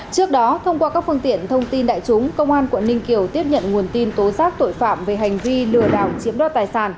trước đó thông qua các phương tiện thông tin đại chúng công an quận ninh kiều tiếp nhận nguồn tin tố giác tội phạm về hành vi lừa đảo chiếm đoạt tài sản